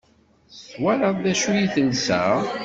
Twalaḍ d acu i telsa?